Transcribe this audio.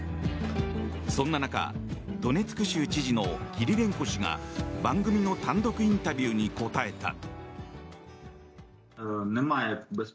そんな中、ドネツク州知事のキリレンコ氏が番組の単独インタビューに答えた。